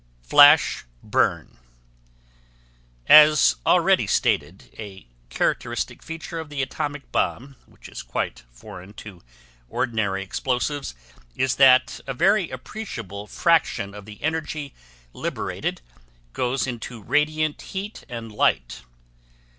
FLASH BURN As already stated, a characteristic feature of the atomic bomb, which is quite foreign to ordinary explosives, is that a very appreciable fraction of the energy liberated goes into radiant heat and light.